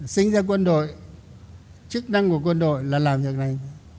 sinh ra quân đội chức năng của quân đội là làm như thế này